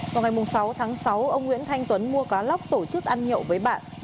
vào ngày sáu tháng sáu ông nguyễn thanh tuấn mua cá lóc tổ chức ăn nhậu với bạn